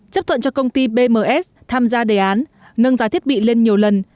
chấp thuận cho công ty bms tham gia đề án nâng giá thiết bị lên nhiều lần